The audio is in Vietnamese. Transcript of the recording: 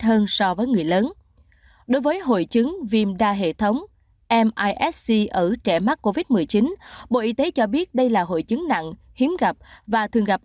đối với hội chứng viêm đa hệ thống ở trẻ mắc covid một mươi chín bộ y tế cho biết đây là hội chứng nặng hiếm gặp và thường gặp